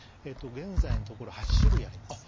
現在のところ８種類あります。